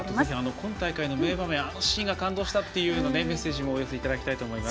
今大会の名場面あのシーン感動したとかメッセージもお寄せいただきたいと思います。